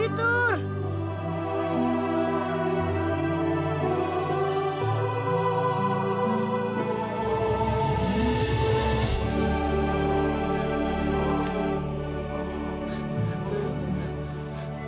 dur jangan pergi dur